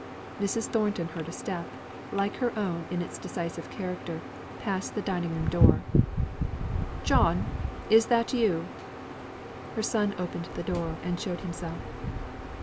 Mrs. Thornton heard a step, like her own in its decisive character, pass the dining room door. "John! Is that you?" Her son opened the door, and showed himself.